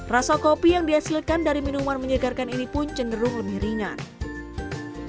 rasa kopi yang dihasilkan dari minuman menyegarkan ini pun cenderung lebih ringan